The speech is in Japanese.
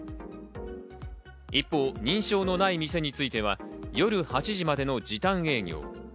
一方、認証のない店については夜８時までの時短営業。